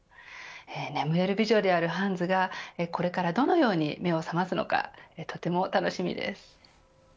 眠れる美女であるハンズがこれからどのように目を覚ますのかとても楽しみです。